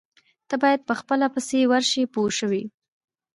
تۀ باید په خپله پسې ورشې پوه شوې!.